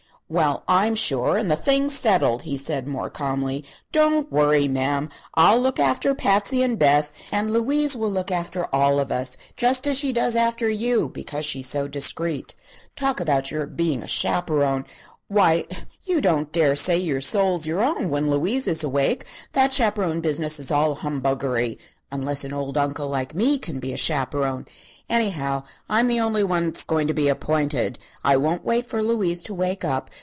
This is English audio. "Well, I'm sure; and the thing's settled," he said, more calmly. "Don't worry, ma'am. I'll look after Patsy and Beth, and Louise will look after all of us just as she does after you because she's so discreet. Talk about your being a chaperone! Why, you don't dare say your soul's your own when Louise is awake. That chaperone business is all humbuggery unless an old uncle like me can be a chaperone. Anyhow, I'm the only one that's going to be appointed. I won't wait for Louise to wake up.